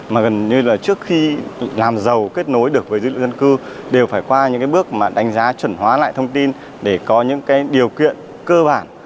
mà gần như là trước khi làm giàu kết nối được với dữ liệu dân cư đều phải qua những bước mà đánh giá chuẩn hóa lại thông tin để có những cái điều kiện cơ bản